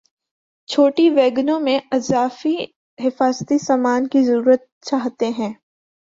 چھوٹی ویگنوں میں اضافی حفاظتی سامان کی ضرورت چاہتے ہیں